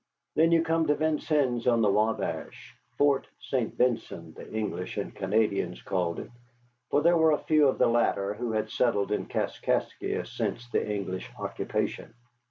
Then you come to Vincennes on the Wabash, Fort St. Vincent, the English and Canadians called it, for there were a few of the latter who had settled in Kaskaskia since the English occupation.